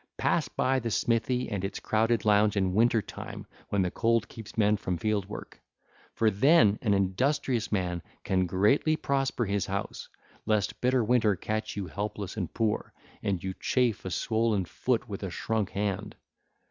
(ll 493 501) Pass by the smithy and its crowded lounge in winter time when the cold keeps men from field work,—for then an industrious man can greatly prosper his house—lest bitter winter catch you helpless and poor and you chafe a swollen foot with a shrunk hand.